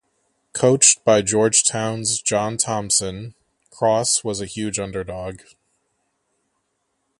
Coached by Georgetown's John Thompson, Cross was a huge underdog.